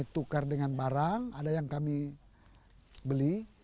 tukar dengan barang ada yang kami beli